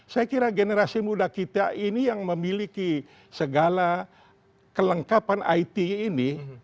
saya kira generasi muda kita ini yang memiliki segala kelengkapan it ini